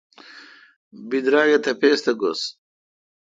بدرآگ اے° تپیس تھہ گؙس۔